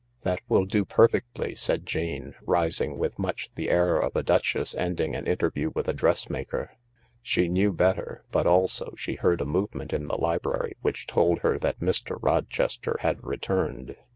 " "That will do perfectly," said Jane, rising with much the air of a duchess ending an interview with a dressmaker. She knew better, but also she heard a movement in the library which toJd her that Mr. Rochester had returned.